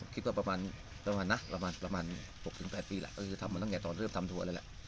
คิดว่าประมาณประมาณน่ะประมาณประมาณหกถึงแปดปีแหละก็คือทำมาตั้งแต่ตอนเริ่มทำถั่วเลยแหละ